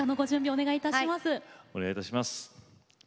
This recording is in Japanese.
お願いいたします。